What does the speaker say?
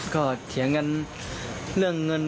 ก็เถียงกันเรื่องเงิน